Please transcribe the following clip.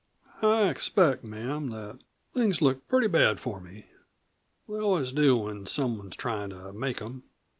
"I expect, ma'am, that things look pretty bad for me. They always do when someone's tryin' to make 'em.